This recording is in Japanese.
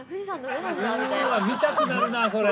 ◆うわっ、見たくなるな、それ。